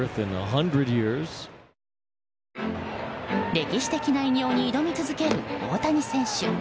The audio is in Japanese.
歴史的な偉業に挑み続ける大谷選手。